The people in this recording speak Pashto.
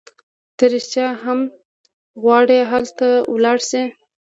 ته رېښتیا هم غواړي هلته ولاړه شې؟